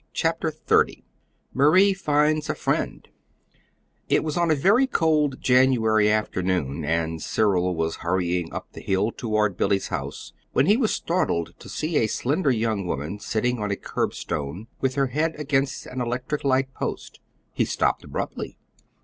CHAPTER XXX MARIE FINDS A FRIEND It was on a very cold January afternoon, and Cyril was hurrying up the hill toward Billy's house, when he was startled to see a slender young woman sitting on a curbstone with her head against an electric light post. He stopped abruptly.